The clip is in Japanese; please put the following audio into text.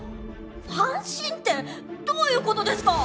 ファンシンってどういうことですか？